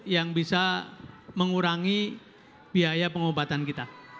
yang bisa mengurangi biaya pengobatan kita